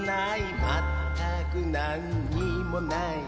まったくなんにもない